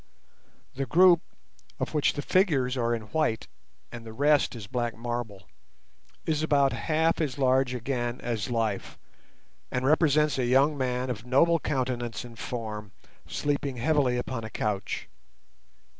The group, of which the figures are in white, and the rest is black marble, is about half as large again as life, and represents a young man of noble countenance and form sleeping heavily upon a couch.